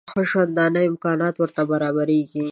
د ښه ژوندانه امکانات ورته برابرېږي.